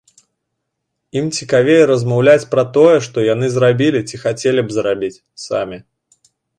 Ім цікавей размаўляць пра тое, што яны зрабілі ці хацелі б зрабіць самі.